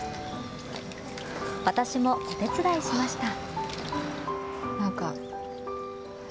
私もお手伝いしました。